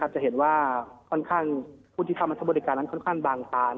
จะเห็นว่าผู้ที่ทำบริษัทบริการนั้นค่อนข้างบางตา